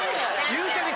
ゆうちゃみ